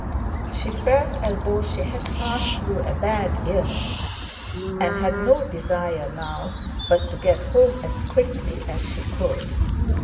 She felt as though she had passed through a bad illness, and had no desire now but to get home as quickly as she could.